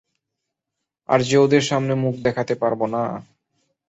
আর যে ওদের সামনে মুখ দেখাতে পারব না।